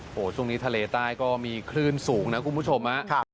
โอ้โหช่วงนี้ทะเลใต้ก็มีคลื่นสูงนะคุณผู้ชมฮะ